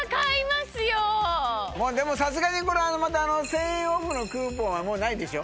でもさすがにこれは１０００円オフのクーポンはもうないでしょ？